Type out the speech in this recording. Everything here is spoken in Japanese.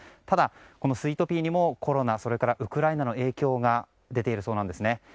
ただ、スイートピーにもコロナ、それからウクライナの影響が出ているそうなんですね。